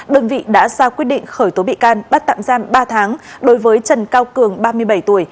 đơn vị đã ra quyết định khởi tố bị can bắt tạm giam ba tháng đối với trần cao cường ba mươi bảy tuổi